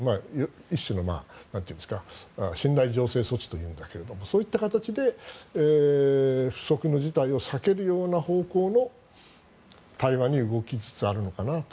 一種の信頼醸成措置というんだけれどもそういった形で不測の事態を避けるような方向の対話に動きつつあるのかなと。